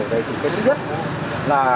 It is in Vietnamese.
thì cái thứ nhất là